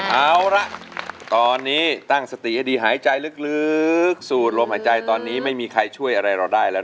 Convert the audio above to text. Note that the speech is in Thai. เอาละตอนนี้ตั้งสติให้ดีหายใจลึกสูดลมหายใจตอนนี้ไม่มีใครช่วยอะไรเราได้แล้ว